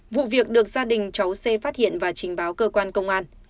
vụ việc được gia đình cháu c phát hiện và trình báo cơ quan công an